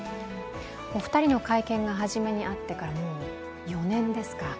お二人の会見が初めにあってから、もう４年ですか。